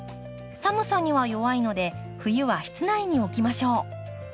寒さには弱いので冬は室内に置きましょう。